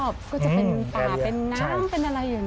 ก็จะเป็นป่าเป็นน้ำเป็นอะไรอย่างนี้